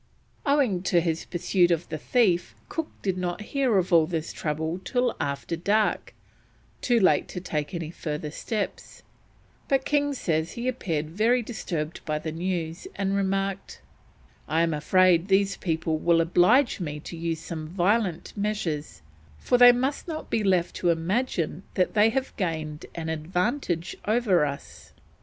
Owing to his pursuit of the thief Cook did not hear of all this trouble till after dark, too late to take any further steps, but King says he appeared very disturbed by the news, and remarked: "I am afraid these people will oblige me to use some violent measures, for they must not be left to imagine that they have gained an advantage over us."